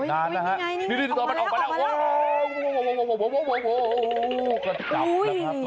หน้านี่ไงนี่โต๊ะมันออกมาแล้ว